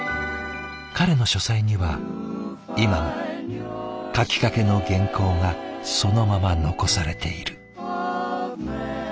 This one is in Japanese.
彼の書斎には今も書きかけの原稿がそのまま残されている。